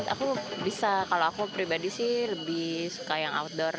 aku bisa kalau aku pribadi sih lebih suka yang outdoor